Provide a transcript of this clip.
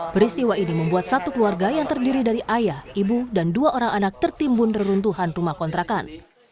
peristiwa ini membuat satu keluarga yang terdiri dari ayah ibu dan dua orang anak tertimbun reruntuhan rumah kontrakan